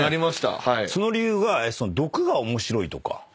その理由が毒が面白いとか。